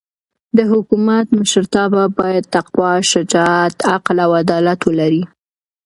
د حکومت مشرتابه باید تقوا، شجاعت، عقل او عدالت ولري.